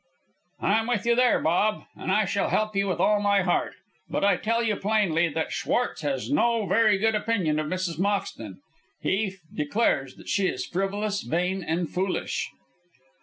"I am with you there, Bob, and I shall help you with all my heart. But I tell you plainly that Schwartz has no very good opinion of Mrs. Moxton. He declares that she is frivolous, vain and foolish."